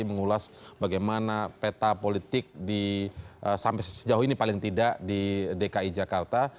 mengulas bagaimana peta politik sampai sejauh ini paling tidak di dki jakarta